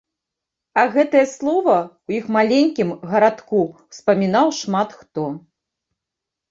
А гэтае слова ў іх маленькім гарадку ўспамінаў шмат хто.